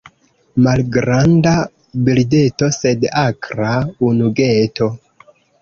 Malgranda birdeto, sed akra ungeto.